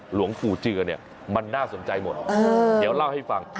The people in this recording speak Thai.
หลวงปู่เจือเนี่ยมันน่าสนใจหมดเดี๋ยวเล่าให้ฟัง